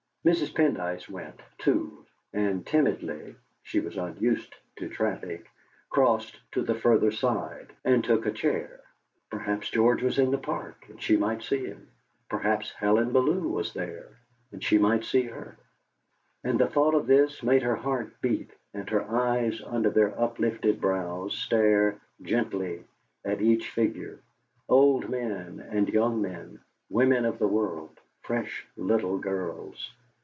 Mrs. Pendyce went, too, and timidly she was unused to traffic crossed to the further side and took a chair. Perhaps George was in the Park and she might see him; perhaps Helen Bellew was there, and she might see her; and the thought of this made her heart beat and her eyes under their uplifted brows stare gently at each figure old men and young men, women of the world, fresh young girls.